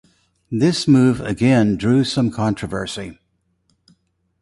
This move again drew some controversy.